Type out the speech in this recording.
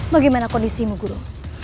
bagaimana kondisimu guru